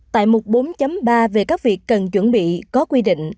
tại mục bốn ba về các việc cần chuẩn bị có quy định